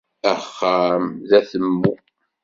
Axxam d atemmu